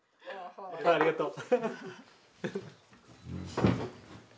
ありがとう。